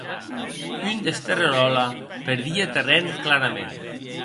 Un des Terreròla perdie terren clarament.